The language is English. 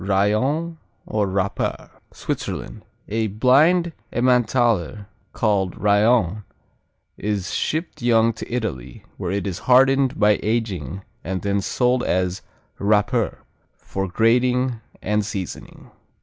Rayon or Raper Switzerland A blind Emmentaler called Rayon is shipped young to Italy, where it is hardened by aging and then sold as Raper, for grating and seasoning.